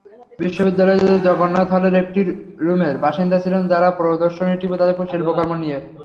বিশ্ববিদ্যালয়ের জগন্নাথ হলের একটি রুমের বাসিন্দা ছিলেন যাঁরা, প্রদর্শনীটি তাঁদের শিল্পকর্ম নিয়ে।